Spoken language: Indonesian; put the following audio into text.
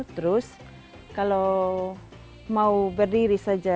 terus kalau mau berdiri saja